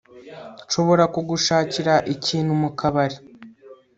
nshobora kugushakira ikintu mukabari